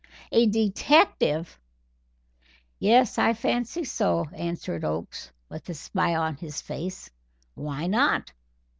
"A detective!" "Yes, I fancy so," answered Oakes, with a smile on his face. "Why not?